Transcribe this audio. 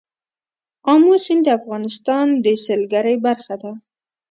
آمو سیند د افغانستان د سیلګرۍ برخه ده.